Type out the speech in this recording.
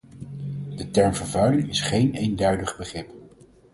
De term vervuiling is geen eenduidig begrip.